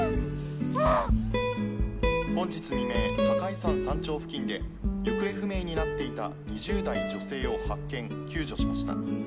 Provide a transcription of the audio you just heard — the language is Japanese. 本日未明タカイ山山頂付近で行方不明になっていた２０代女性を発見救助しました。